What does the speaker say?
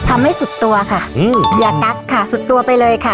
ทำให้สุดตัวค่ะอืมอย่ากัดค่ะสุดตัวไปเลยค่ะ